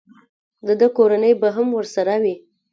د ده کورنۍ به هم ورسره وي.